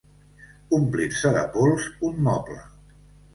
Omplir-se de pols un moble.